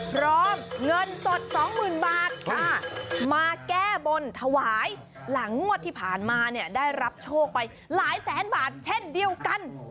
เงินสดสองหมื่นบาทมาแก้บนถวายหลังงวดที่ผ่านมาเนี่ยได้รับโชคไปหลายแสนบาทเช่นเดียวกัน